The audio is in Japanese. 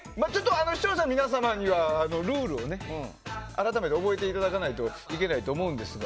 視聴者の皆様にはルールを改めて覚えていただかないといけないと思うんですが。